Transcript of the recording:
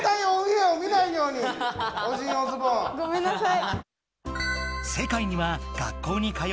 ごめんなさい。